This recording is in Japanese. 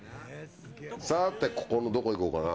さて、ここのどこ行こうかな。